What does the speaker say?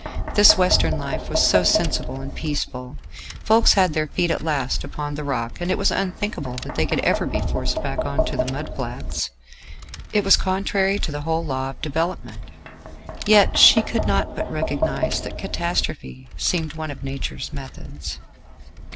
This Western life was so sensible and peaceful; folks had their feet at last upon the rock, and it was unthinkable that they could ever be forced back on to the mud flats: it was contrary to the whole law of development. Yet she could not but recognise that catastrophe seemed one of nature's methods....